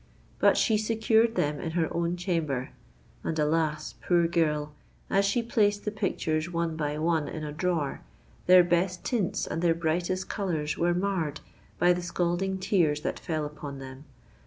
But she secured them in her own chamber; and, alas—poor girl! as she placed the pictures one by one in a drawer, their best tints and their brightest colours were marred by the scalding tears that fell upon them!